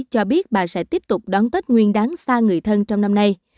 cho biết bà sẽ tiếp tục đón tết nguyên đáng xa người thân trong năm nay